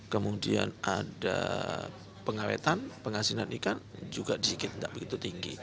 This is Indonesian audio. kemudian ada pengawetan penghasilan ikan juga sedikit tidak begitu tinggi